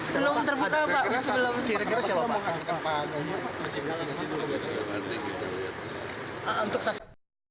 saksi untuk meringankan bapak kira kira mau disampaikan siapa